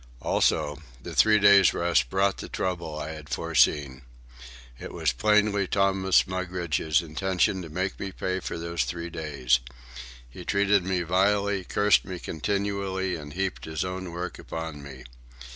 Also, the three days' rest brought the trouble I had foreseen. It was plainly Thomas Mugridge's intention to make me pay for those three days. He treated me vilely, cursed me continually, and heaped his own work upon me.